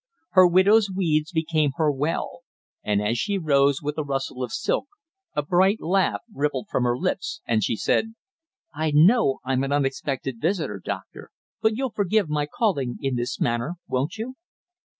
Her widow's weeds became her well; and as she rose with a rustle of silk, a bright laugh rippled from her lips, and she said: "I know I'm an unexpected visitor, Doctor, but you'll forgive my calling in this manner, won't you?"